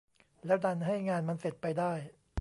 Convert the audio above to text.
แล้วดันให้งานมันเสร็จไปได้